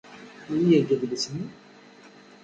Yewwi-yak-d adlis-nni.